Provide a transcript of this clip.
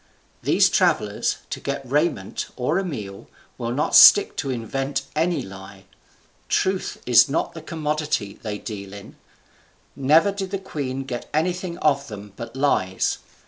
These travellers, to get raiment or a meal, will not stick to invent any lie. Truth is not the commodity they deal in. Never did the queen get anything of them but lies.